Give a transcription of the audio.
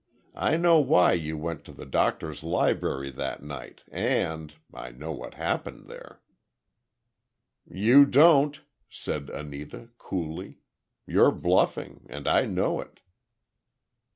I know why you went to the doctor's library that night, and—I know what happened there." "You don't," said Anita, coolly. "You're bluffing, and I know it."